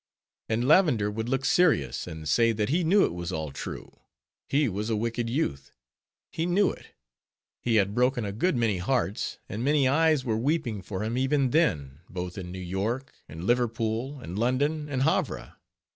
And Lavender would look serious, and say that he knew it was all true—he was a wicked youth, he knew it—he had broken a good many hearts, and many eyes were weeping for him even then, both in New York, and Liverpool, and London, and Havre.